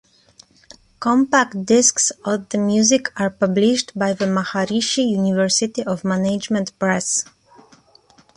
Compact discs of the music are published by the Maharishi University of Management Press.